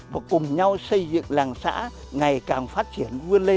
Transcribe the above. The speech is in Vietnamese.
và cùng nhau xây dựng làng xã ngày càng phát triển vui vẻ